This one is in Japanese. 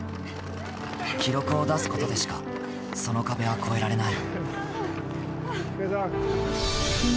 記録を出すことでしかその壁は越えられない。